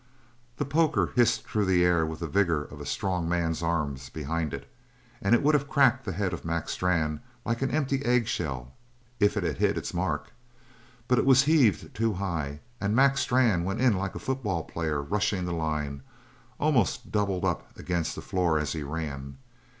The poker hissed through the air with the vigour of a strong man's arms behind it and it would have cracked the head of Mac Strann like an empty egg shell if it had hit its mark. But it was heaved too high, and Mac Strann went in like a football player rushing the line, almost doubled up against the floor as he ran.